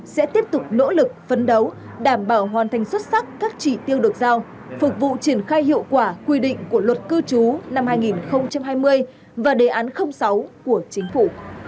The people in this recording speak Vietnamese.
sẽ tiếp tục nỗ lực phấn đấu đảm bảo hoàn thành xuất sắc các chỉ tiêu được giao phục vụ triển khai hiệu quả quy định của luật cư trú năm hai nghìn hai mươi và đề án sáu của chính phủ